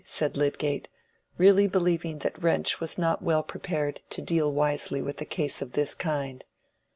said Lydgate, really believing that Wrench was not well prepared to deal wisely with a case of this kind.